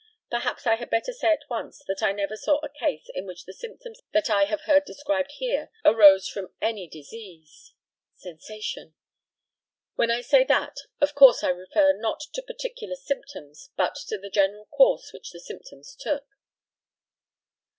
Perhaps I had better say at once that I never saw a case in which the symptoms that I have heard described here arose from any disease. (Sensation.) When I say that, of course I refer not to particular symptoms, but to the general course which the symptoms took.